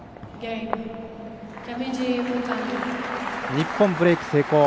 日本、ブレーク成功。